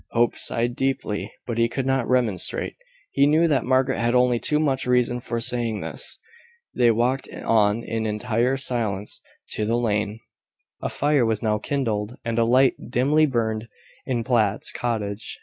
Hope sighed deeply, but he could not remonstrate. He knew that Margaret had only too much reason for saying this. They walked on in entire silence to the lane. A fire was now kindled, and a light dimly burned in Platt's cottage.